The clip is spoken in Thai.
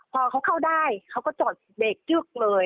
พอเขาเข้าได้เขาก็จอดเบรกยึกเลย